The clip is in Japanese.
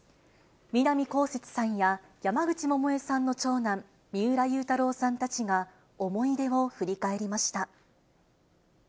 南こうせつさんや山口百恵さんの長男、三浦祐太朗さんたちが、思い出を振り返りました。